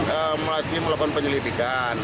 kita mulai melakukan penyelidikan